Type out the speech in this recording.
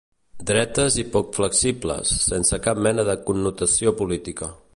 Dretes i poc flexibles, sense cap mena de connotació política.